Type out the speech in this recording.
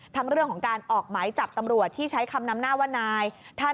เรื่องของการออกหมายจับตำรวจที่ใช้คำนำหน้าว่านาย